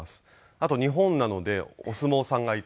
あと日本なのでお相撲さんがいたりとか。